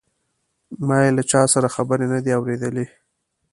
ما یې له چا سره خبرې نه دي اوریدلې.